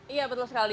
iya betul sekali